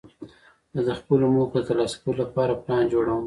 زه د خپلو موخو د ترلاسه کولو له پاره پلان جوړوم.